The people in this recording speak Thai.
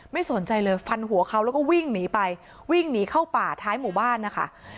ไม่สนใจเลยฟันหัวเขาแล้วก็วิ่งหนีไปวิ่งหนีเข้าป่าท้ายหมู่บ้านนะคะ